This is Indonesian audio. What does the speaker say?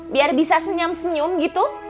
biar bisa senyam senyum gitu